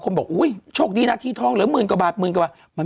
คนบอกอุ้ยโชคดีนะที่ทองรักมืนกว่าบาทมีกว่ามันไม่